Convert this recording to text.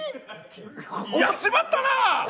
やっちまったなー。